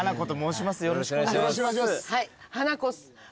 よろしくお願いします。